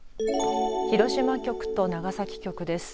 広島局と長崎局です。